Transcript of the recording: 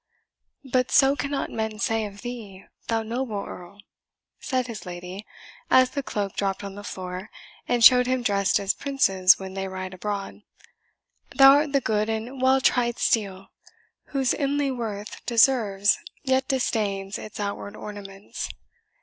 "But so cannot men say of thee, thou noble Earl," said his lady, as the cloak dropped on the floor, and showed him dressed as princes when they ride abroad; "thou art the good and well tried steel, whose inly worth deserves, yet disdains, its outward ornaments.